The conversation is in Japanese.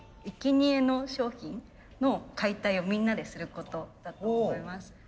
いけにえの商品の解体をみんなですることだと思います。